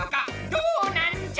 どうなんじゃ！